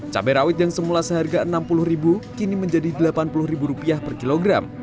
cabai rawit yang semula seharga rp enam puluh kini menjadi rp delapan puluh per kilogram